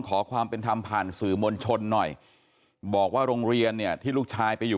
ขอความเป็นธรรมผ่านสื่อมวลชนหน่อยบอกว่าโรงเรียนเนี่ยที่ลูกชายไปอยู่